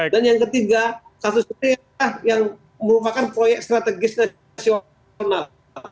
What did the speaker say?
dan yang ketiga kasus ini adalah yang merupakan proyek strategis nasional